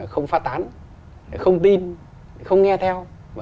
không phá tán không tin không nghe theo